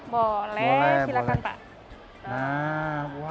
boleh silakan pak